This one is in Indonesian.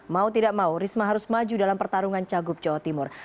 mau tidak mau risma harus maju dalam pertarungan cagup jawa timur